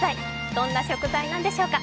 どんな食材なんでしょうか。